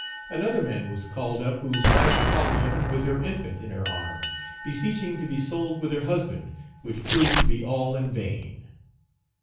Another man was called up whose wife followed him with her infant in her arms, beseeching to be sold with her husband, which proved to be all in vain.